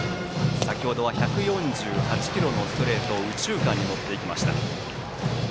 先程は１４８キロのストレートを右中間に持っていきました。